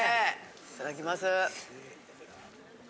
いただきます。